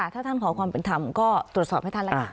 ถ้าท่านขอความเป็นธรรมก็ตรวจสอบให้ท่านแล้วกัน